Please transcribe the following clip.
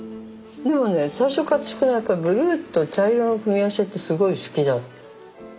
でもね最初から私これなんかブルーと茶色の組み合わせってすごい好きだったのよね。